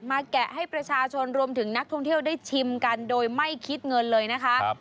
แกะให้ประชาชนรวมถึงนักท่องเที่ยวได้ชิมกันโดยไม่คิดเงินเลยนะคะ